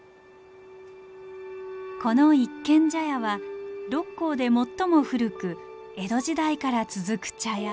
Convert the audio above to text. この一軒茶屋は六甲で最も古く江戸時代から続く茶屋。